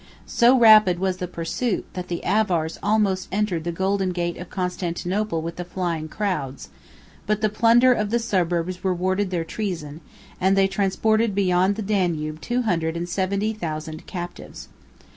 So rapid was the pursuit, that the Avars almost entered the golden gate of Constantinople with the flying crowds: 71 but the plunder of the suburbs rewarded their treason, and they transported beyond the Danube two hundred and seventy thousand captives.